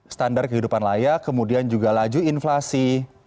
standar kehidupan layak kemudian juga laju inflasi